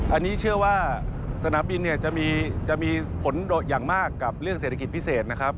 อันนี้เชื่อว่าสนามบินเนี่ยจะมีผลอย่างมากกับเรื่องเศรษฐกิจพิเศษนะครับ